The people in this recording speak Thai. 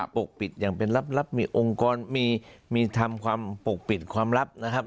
ปกปิดอย่างเป็นลับมีองค์กรมีทำความปกปิดความลับนะครับ